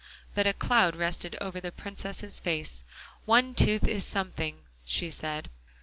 But a cloud rested on the Princess's face. "One tooth is something," she said.